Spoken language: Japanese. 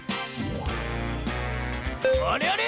あれあれ？